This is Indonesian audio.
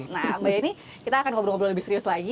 nah mbak yeni kita akan ngobrol ngobrol lebih serius lagi